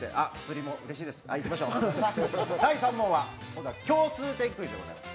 第３問は共通点クイズいきます。